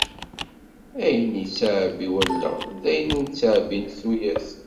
Ayen i yettɛebbi wallaɣ, d ayen ur ttɛebbint tuyat.